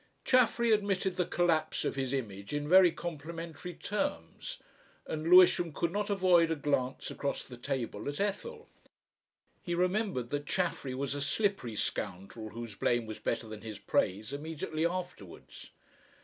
Chaffery admitted the collapse of his image in very complimentary terms, and Lewisham could not avoid a glance across the table at Ethel. He remembered that Chaffery was a slippery scoundrel whose blame was better than his praise, immediately afterwards.